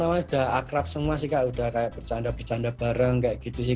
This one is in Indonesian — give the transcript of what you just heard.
awalnya udah akrab semua sih kak udah kayak bercanda bercanda bareng kayak gitu sih